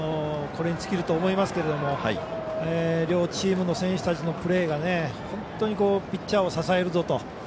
これに尽きると思いますけども両チームの選手たちのプレーが本当にピッチャーを支えるぞと。